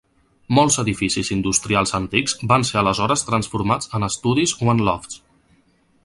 Molts edificis industrials antics van ser aleshores transformats en estudis o en lofts.